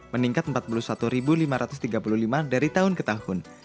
meningkat empat puluh satu lima ratus tiga puluh lima dari tahun ke tahun